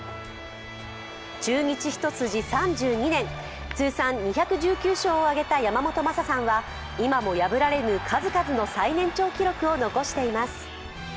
中日一筋３２年、通算２１９勝を上げた山本昌さんは今も破られぬ数々の最年長記録を残しています。